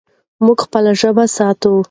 موږ خپله ژبه ساتو.